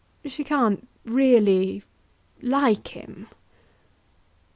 "She can't really like him?"